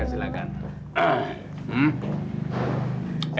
ya ya silakan silakan